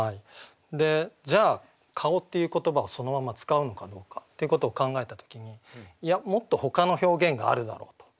じゃあ「顔」っていう言葉をそのまま使うのかどうかっていうことを考えた時にいやもっとほかの表現があるだろうと。